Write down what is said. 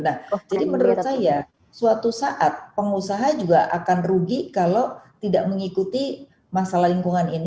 nah jadi menurut saya suatu saat pengusaha juga akan rugi kalau tidak mengikuti masalah lingkungan ini